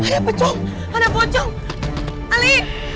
hai ada pecong ada pocong ali